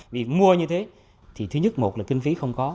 vì mua như thế thì thứ nhất một là kinh phí không có